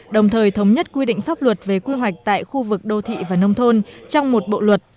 đồng thời thống nhất quy định pháp luật về quy hoạch tại khu vực đô thị và nông thôn trong một bộ luật